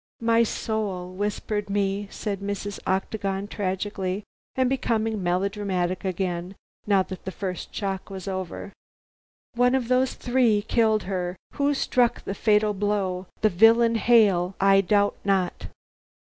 "My soul, whispered me," said Mrs. Octagon tragically, and becoming melodramatic again, now that the first shock was over. "One of those three killed her. Who struck the fatal blow? the villain Hale I doubt not."